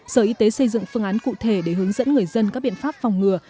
sở y tế xây dựng phương án cụ thể để hướng dẫn người dân các biện pháp phòng ngừa